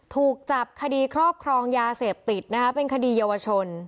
ถูกจับคดีครอบครองยาเสพติดนะคะเป็นคดีเยาวชน